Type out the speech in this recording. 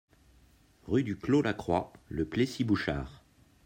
Rue du Clos Lacroix, Le Plessis-Bouchard